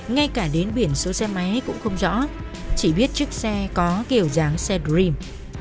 ngay cả đến biển số xe máy cũng không rõ chỉ biết chiếc xe có kiểu dáng xe dream